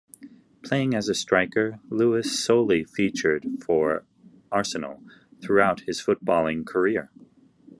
Playing as a striker, Lewis solely featured for Arsenal throughout his footballing career.